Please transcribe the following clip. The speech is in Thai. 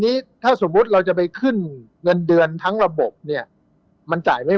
นี้ถ้าสมมุติเราจะไปขึ้นเงินเดือนทั้งระบบเนี่ยมันจ่ายไม่